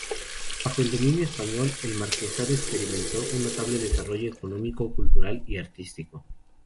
Bajo el dominio español, el marquesado experimentó un notable desarrollo económico, cultural y artístico.